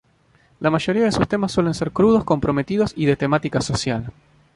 La mayoría de sus temas suelen ser crudos, comprometidos y de temática social.